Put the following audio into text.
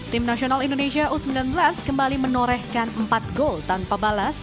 tim nasional indonesia u sembilan belas kembali menorehkan empat gol tanpa balas